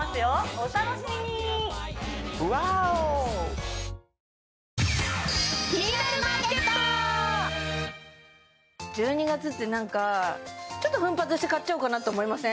お楽しみにわお１２月ってなんかちょっと奮発して買っちゃおうかなって思いません？